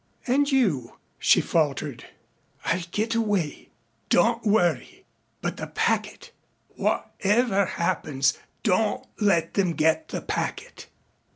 "And you?" she faltered. "I'll get away. Don't worry. But the packet. Whatever happens don't let them get the packet."